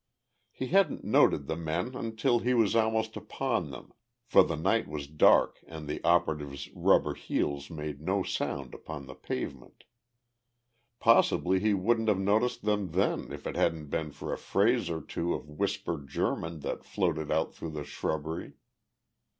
He hadn't noted the men until he was almost upon them, for the night was dark and the operative's rubber heels made no sound upon the pavement. Possibly he wouldn't have noticed them then if it hadn't been for a phrase or two of whispered German that floated out through the shrubbery.